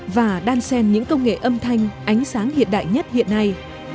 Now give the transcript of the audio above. và đan sen những công nghệ âm thanh ánh sáng hiện đại nhất hiện nay